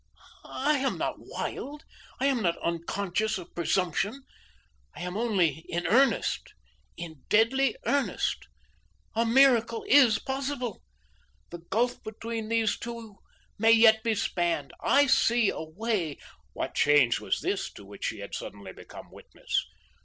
I am not wild; I am not unconscious of presumption. I am only in earnest, in deadly earnest. A miracle is possible. The gulf between these two may yet be spanned. I see a way " What change was this to which she had suddenly become witness?